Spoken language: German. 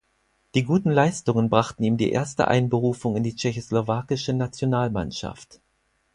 Die guten Leistungen brachten ihm die erste Einberufung in die Tschechoslowakische Nationalmannschaft.